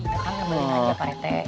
ya kan ngambilin aja pak rt